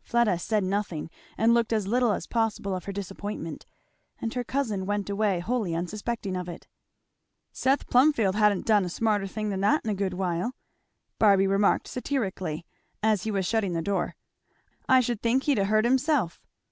Fleda said nothing and looked as little as possible of her disappointment, and her cousin went away wholly unsuspecting of it. "Seth Plumfield ha'n't done a smarter thing than that in a good while," Barby remarked satirically as he was shutting the door. "I should think he'd ha' hurt himself."